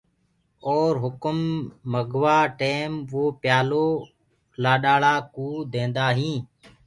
اور هُڪم منگوآ ٽيم وو پيآلو لآڏاݪا ڪوٚ ديندآ هينٚ۔